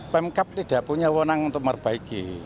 pemkap tidak punya wonang untuk memperbaiki